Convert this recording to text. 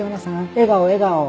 笑顔笑顔！